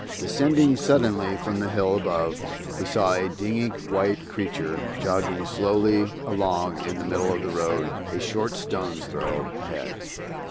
Descending suddenly from the hill above, we saw a dingy white creature jogging slowly along in the middle of the road a short stone's throw ahead.